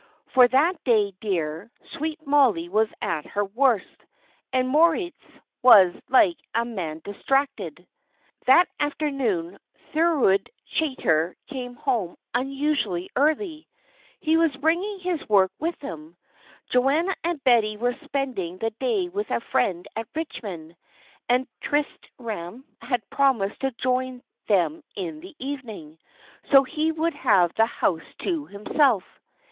For that day, dear, sweet Mollie was at her worst. And Moritz was like a man distracted. That afternoon Thorold Chaytor came home unusually early. He was bringing his work with him. Joanna and Betty were spending the day with a friend at Richmond, and Tristram had promised to join them in the evening, so he would have the house to himself.